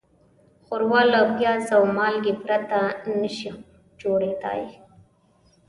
ښوروا له پیاز او مالګې پرته نهشي جوړېدای.